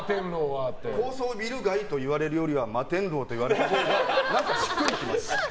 高層ビル街といわれるよりは摩天楼と言われるほうがしっくりきます。